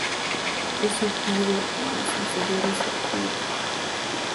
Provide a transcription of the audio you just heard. Es surgido de las inferiores del Club.